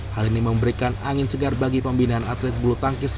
hal ini memberikan angin segar bagi pembinaan atlet bulu tangkis